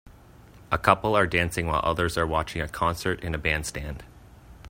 A couple are dancing while others are watching a concert in a bandstand.